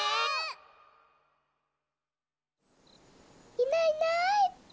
いないいない。